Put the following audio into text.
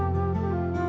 wah ada kijang